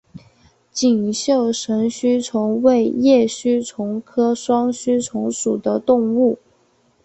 锦绣神须虫为叶须虫科双须虫属的动物。